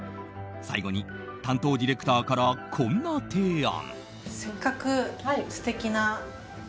最後に担当ディレクターからこんな提案。